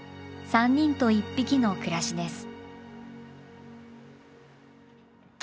３人と１匹の暮らしです。